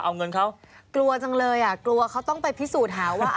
เอาเงินเขากลัวจังเลยอ่ะกลัวเขาต้องไปพิสูจน์หาว่า